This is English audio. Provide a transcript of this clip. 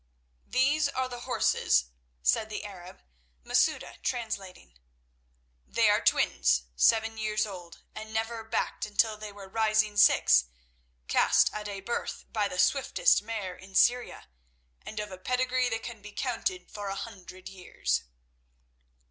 "These are the horses," said the Arab, Masouda translating. "They are twins, seven years old and never backed until they were rising six, cast at a birth by the swiftest mare in Syria, and of a pedigree that can be counted for a hundred years."